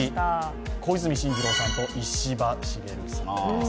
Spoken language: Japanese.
小泉進次郎さんと石破茂さん。